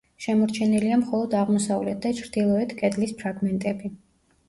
შემორჩენილია მხოლოდ აღმოსავლეთ და ჩრდილოეთ კედლის ფრაგმენტები.